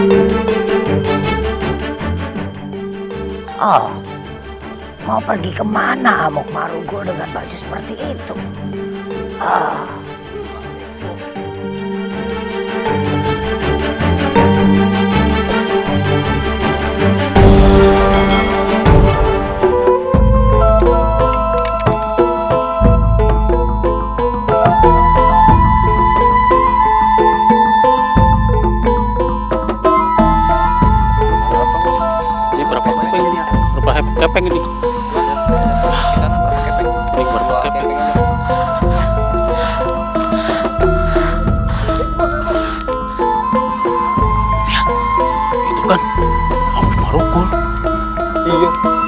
sampai jumpa di video selanjutnya